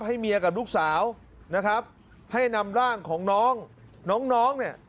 ให้เมียกับลูกสาวนะครับให้นำร่างของน้องน้องเนี่ย